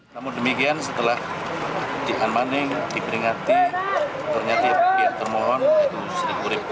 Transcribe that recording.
namun demikian setelah dianmaning diperingati ternyata yang termohon itu sri urib